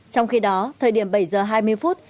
trong khi đó thời điểm bảy giờ hai mươi phút